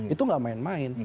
itu nggak main main